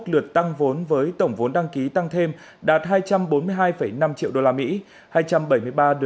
một trăm bốn mươi một lượt tăng vốn với tổng vốn đăng ký tăng thêm đạt hai trăm bốn mươi hai năm triệu usd